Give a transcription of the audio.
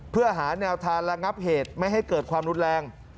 เพื่อหาแนวทางระงับเหตุไม่ให้เกิดความรุนแรง